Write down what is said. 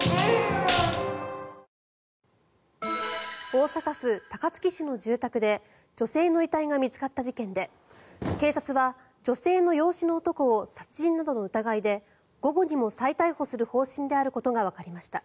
大阪府高槻市の住宅で女性の遺体が見つかった事件で警察は、女性の養子の男を殺人などの疑いで午後にも再逮捕する方針であることがわかりました。